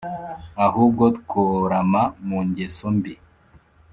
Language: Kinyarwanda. ahubwo tworama mu ngeso mbi!»